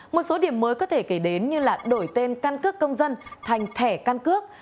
một số điểm mới có thể kể đến như là đổi tên căn cước công dân thành thẻ căn cước